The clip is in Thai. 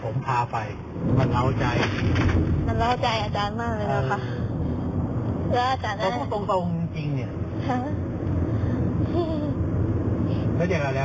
ต้องแค่แค่ว่าอาจารย์ไม่คิดอะไร